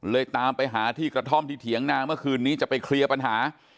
ตามไปหาที่กระท่อมที่เถียงนาเมื่อคืนนี้จะไปเคลียร์ปัญหา